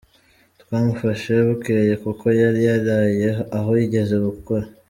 Twamufashe bukeye kuko yari yaraye aho yigeze gukora.